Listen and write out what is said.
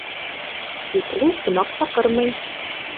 Тик ул ҡунаҡ саҡырмай.